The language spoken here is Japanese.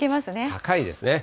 高いですね。